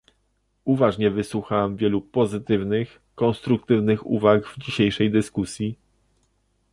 Uważnie wysłuchałam wielu pozytywnych, konstruktywnych uwag w dzisiejszej dyskusji